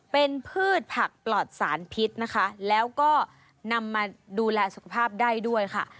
เป็นพืชผักปลอดสารพิษนะคะแล้วก็นำมาดูแลสุขภาพได้ด้วยค่ะ